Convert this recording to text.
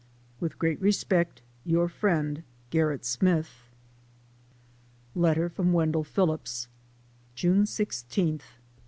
With great respect your friend, GERRIT SMITH. Letter from Wendell Phillips. JUNE 16, 1868.